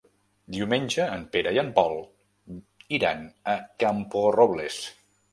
Diumenge en Pere i en Pol iran a Camporrobles.